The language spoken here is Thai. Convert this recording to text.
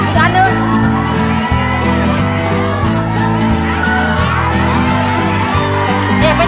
ปีหน้าหนูต้อง๖ขวบให้ได้นะลูก